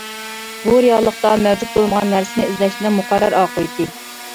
بۇ، رېئاللىقتا مەۋجۇت بولمىغان نەرسىنى ئىزدەشنىڭ مۇقەررەر ئاقىۋىتى.